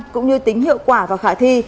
cũng như tính hiệu quả và khả thi